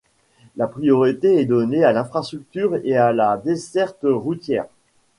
La priorité est donnée à l’infrastructure et à la desserte routière.